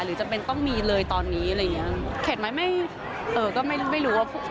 จำเป็นต้องมีเลยตอนนี้อะไรอย่างเงี้ยเข็ดไหมไม่เอ่อก็ไม่รู้ว่า